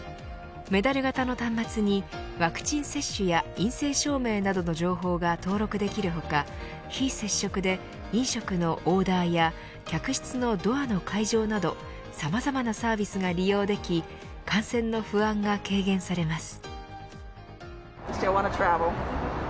メダル型の端末にワクチン接種や陰性証明などの情報が登録できる他、非接触で飲食のオーダーや客室のドアの解錠などさまざまなサービスが利用でき感染の不安が軽減されます。